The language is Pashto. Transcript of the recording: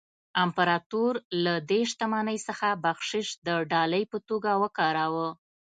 امپراتور له دې شتمنۍ څخه بخشش د ډالۍ په توګه ورکاوه.